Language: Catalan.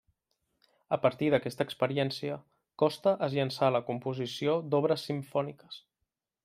A partir d'aquesta experiència, Costa es llançà a la composició d'obres simfòniques.